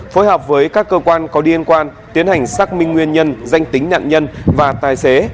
phối hợp với các cơ quan có liên quan tiến hành xác minh nguyên nhân danh tính nạn nhân và tài xế